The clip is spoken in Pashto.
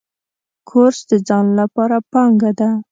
کورس د ځان لپاره پانګه ده.